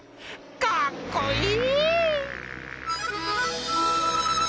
かっこいい！